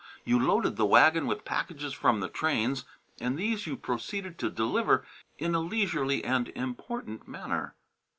You loaded the wagon with packages from the trains and these you proceeded to deliver in a leisurely and important manner.